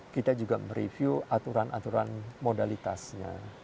kita juga mereview aturan aturan modalitasnya